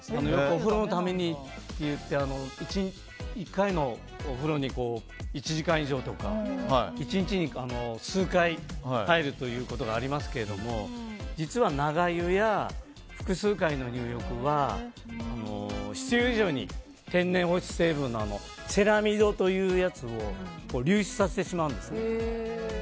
お風呂のためにといって１回のお風呂に１時間以上とか１日に数回入るということがありますけれども実は、長湯や複数回の入浴は必要以上に天然保湿成分のセラミドというやつを流出させてしまうんですね。